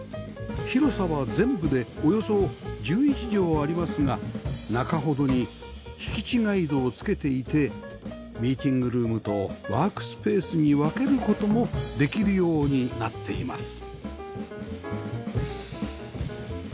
広さは全部でおよそ１１畳ありますが中ほどに引き違い戸を付けていてミーティングルームとワークスペースに分ける事もできるようになっています